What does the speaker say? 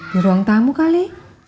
di ruang tamu kali